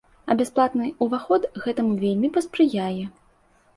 А бясплатны ўваход гэтаму вельмі паспрыяе.